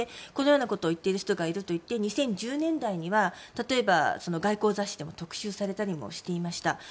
このようなことを言っている人がいるということで２０１０年代には例えば外交雑誌でも特集されたりしていました。